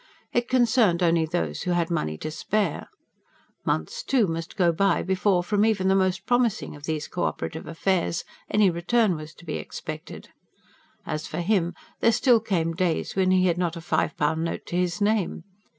It concerned only those who had money to spare. Months, too, must go by before, from even the most promising of these co operative affairs, any return was to be expected. As for him, there still came days when he had not a five pound note to his name.